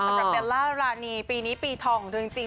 สำหรับเบลล่ารานีปีนี้ปีทองจริง